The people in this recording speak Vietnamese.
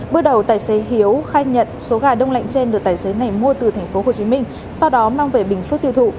bước đầu tài xế hiếu khai nhận số gà đông lạnh trên được tài xế này mua từ tp hcm sau đó mang về bình phước tiêu thụ